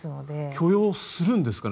許容するんですかね？